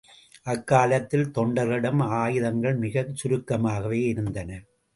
அக்காலத்தில் தொண்டர்களிடம் ஆயுதங்கள் மிகச் சுருக்கமாகவே இருந்தன.